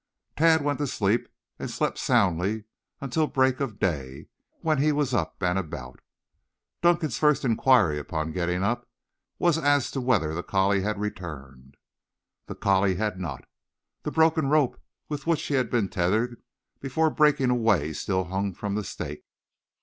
Tad went to sleep and slept soundly until break of day when he was up and about. Dunkan's first inquiry upon getting up, was as to whether the collie had returned. The collie had not. The broken rope with which he had been tethered before breaking away still hung from the stake.